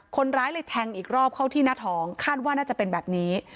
คนร้ายเลยแทงอีกรอบเข้าที่หน้าท้องคาดว่าน่าจะเป็นแบบนี้